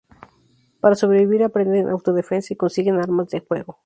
Para sobrevivir aprenden autodefensa y consiguen armas de fuego.